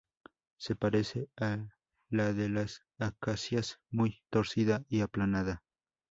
Se parece a la de las acacias, muy torcida y aplanada.